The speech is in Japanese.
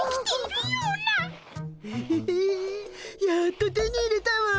ウフフやっと手に入れたわ。